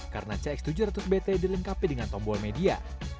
karena cx tujuh ratus bt dilengkapi dengan tombol media